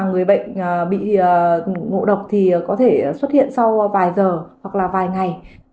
người bệnh bị ngồi đọc thì có thể xuất hiện sau vài giờ hoặc là vài ngày